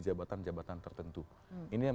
jabatan jabatan tertentu ini yang